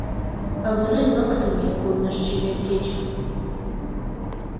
Авырен ок сеҥе курныж чевер кечым.